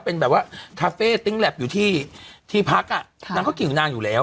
เป็นแบบว่าคาเฟ่ติ้งแล็บอยู่ที่ที่พักอ่ะนางก็กินของนางอยู่แล้ว